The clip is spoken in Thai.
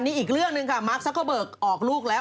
นี่อีกเรื่องหนึ่งค่ะมาร์คซักเกอร์เบิกออกลูกแล้ว